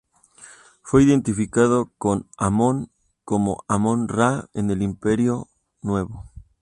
Fue identificado con Amón, como Amón-Ra, en el Imperio Nuevo.